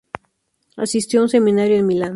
Asistió a un seminario en Milán.